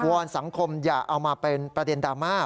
อนสังคมอย่าเอามาเป็นประเด็นดราม่า